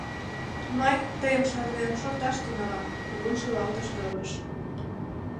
— Мый, тыйым шарнен, шорташ тӱҥалам, — кугун шӱлалтыш Рывыж.